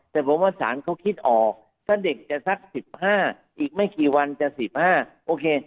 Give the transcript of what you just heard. แต่ผมว่าสารเขาคิดออกถ้าเด็กจะสัก๑๕อีกไม่กี่วันจะ๑๕โอเค